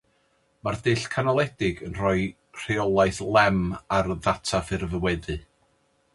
Mae'r dull canoledig yn rhoi rheolaeth lem ar ddata ffurfweddu.